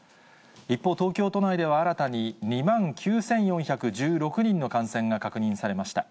一方、東京都内では新たに、２万９４１６人の感染が確認されました。